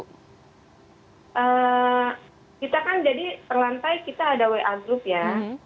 kita kan jadi perlantai kita ada wa group ya